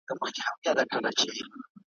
او د شا خورجین یې ټول وه خپل عیبونه ,